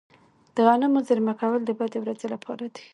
د غنمو زیرمه کول د بدې ورځې لپاره دي.